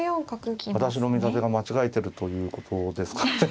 私の見立てが間違えてるということですかね。